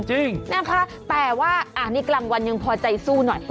จริงนะคะแต่ว่าอันนี้กลางวันยังพอใจสู้หน่อย